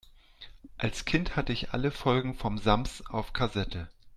Als Kind hatte ich alle Folgen vom Sams auf Kassette.